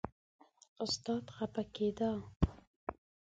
استاد خپه کېده.